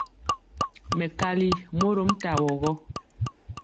Mɛkali mɔrom tawo gɔ.